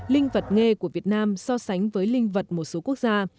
linh vật nghề của việt nam so sánh với linh vật một số quốc gia